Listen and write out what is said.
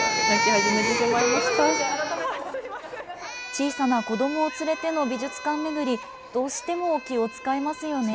小さな子どもを連れての美術館巡りどうしても気を遣いますよね。